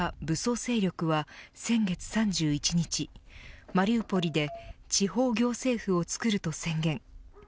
武装勢力は先月３１日マリウポリで地方行政府を作ると宣言。